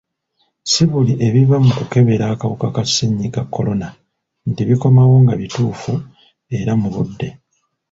Si buli ebiva mu kukebera akawuka ka ssennyiga kolona nti bikomawo nga bituufu era mu budde.